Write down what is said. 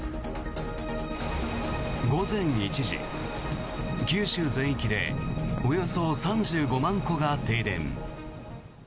午前１時、九州全域でおよそ３５万戸が停電。